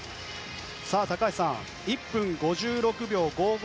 高橋さん、１分５６秒５５